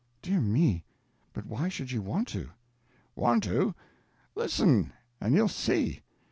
"Dear me, but why should you want to?" "Want to? Listen, and you'll see.